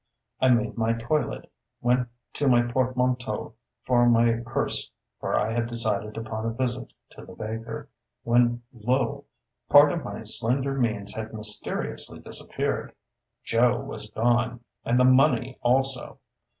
I made my toilet, went to my portmanteau for my purse, for I had decided upon a visit to the baker, when lo! part of my slender means had mysteriously disappeared. Joe was gone, and the money also.